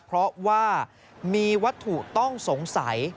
เพราะว่ามีวัตถุต้องสงสัย